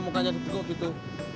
mukanya di buku gitu